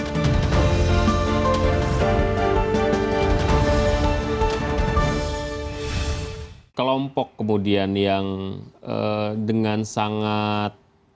tapi bagaimana cara berkomunikasi dengan mereka disekan bagaimana hal hal tersebut